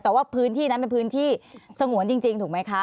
แต่ว่าพื้นที่นั้นเป็นพื้นที่สงวนจริงถูกไหมคะ